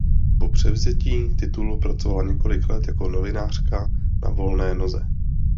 Po převzetí titulu pracovala několik let jako novinářka na volné noze.